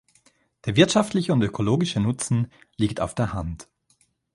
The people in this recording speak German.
Der wirtschaftliche und ökologische Nutzen liegt auf der Hand.